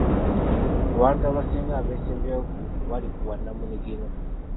Abantu abasinga abeesimbyewo ku kifo bali ku bwa nnamunigina.